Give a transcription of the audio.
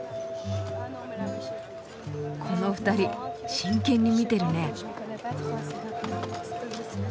この２人真剣に見てるね。